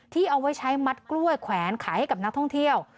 เอาไว้ใช้มัดกล้วยแขวนขายให้กับนักท่องเที่ยว